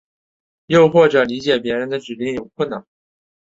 又或者理解别人的指令有困难。